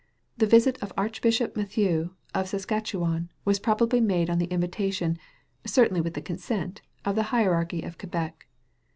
The visit of Archbishop Mathieu of Saskatchewan was probably made on the invita tion, certainly with the consent, of the hierarchy of Quebec.